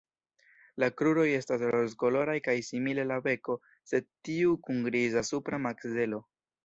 La kruroj estas rozkoloraj kaj simile la beko, sed tiu kun griza supra makzelo.